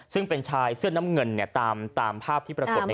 ซึ่งเป็นชายเสื้อน้ำเงินตามภาพที่ปรากฏ